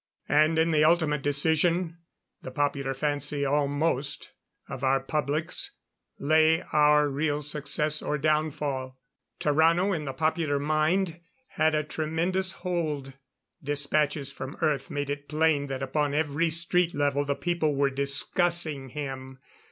And in the ultimate decision the popular fancy almost of our publics lay our real success or downfall. Tarrano in the popular mind had a tremendous hold. Dispatches from Earth made it plain that upon every street level the people were discussing him.